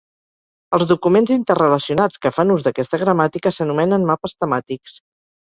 Els documents interrelacionats que fan ús d'aquesta gramàtica s'anomenen mapes temàtics.